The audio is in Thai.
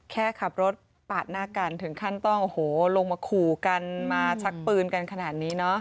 แค่ขับรถปาดหน้ากันถึงขั้นต้องโอ้โหลงมาขู่กันมาชักปืนกันขนาดนี้เนอะ